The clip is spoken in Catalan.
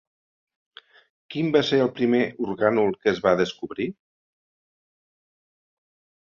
Quin va ser el primer orgànul que es va descobrir?